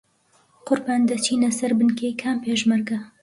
قوربان دەچینە سەر بنکەی کام پێشمەرگە؟